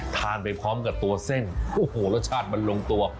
ไปพร้อมกับตัวเส้นโอ้โหรสชาติมันลงตัว